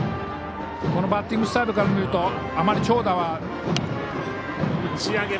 このバッティングスタイルから見るとあまり長打は。